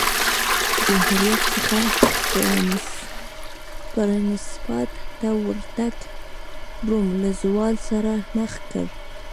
جمهوریت څخه پرنسیپات ته ورتګ روم له زوال سره مخ کړ